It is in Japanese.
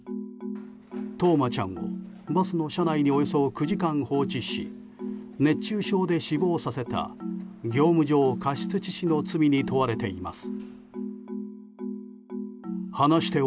冬生ちゃんをバスの車内におよそ９時間放置し熱中症で死亡させた業務上過失致死の罪に問われています。